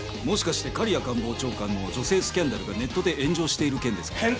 もしかして狩屋官房長官の女性スキャンダルがネットで炎上している件ですか？